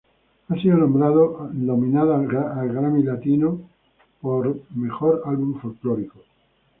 Ha sido nominada al Grammy Latino para Mejor Álbum Folklórico.